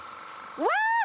うわ！